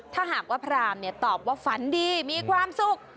ถ้าหากว่าพรามตอบว่าฝันดีมีความสุข